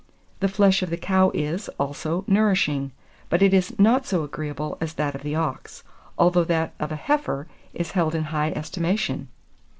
The flesh of the cow is, also, nourishing, but it is not so agreeable as that of the ox, although that of a heifer is held in high estimation.